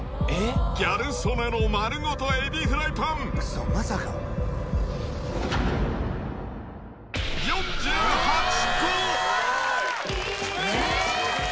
ギャル曽根の丸ごとエビフライパン、４８個。